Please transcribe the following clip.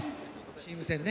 チーム戦ね。